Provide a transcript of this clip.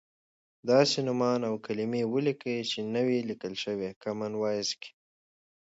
داسې نومان او کلیمې ولیکئ چې نه وې لیکل شوی کامن وایس کې.